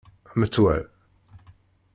Metwal.